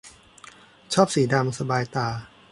ชอบสีดำ สบายตา